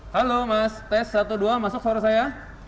halo mas tes satu dua masuk suara saya